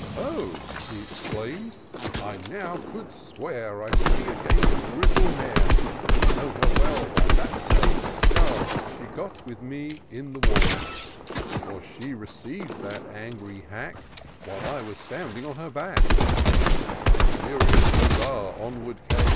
" Oh !" he exclaim'd, " 1 now could swear I see again the Grizzle mare ; I know her well by that same scar Which she got with me in the war; IN SEARCH OF THE PICTURESQUE. 261 For she received that angry hack While I was sounding on her back ; A furious Hussar onward came.